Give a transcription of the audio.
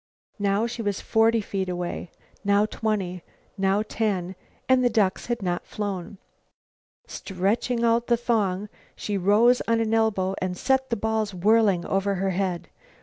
Now she was forty feet away, now twenty, now ten, and the ducks had not flown. Stretching out the thong, she rose on an elbow and set the balls whirling over her head.